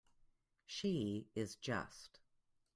She is just.